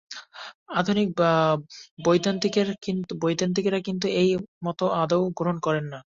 আধুনিক বৈদান্তিকেরা কিন্তু এই মত আদৌ গ্রহণ করে না।